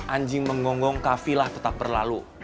anjing menggonggong kafilah tetap berlalu